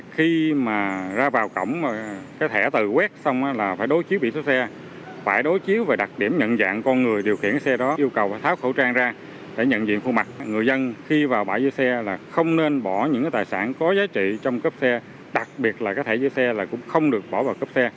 không nên bỏ những tài sản có giá trị trong cắp xe đặc biệt là cái thẻ giữ xe là cũng không được bỏ vào cắp xe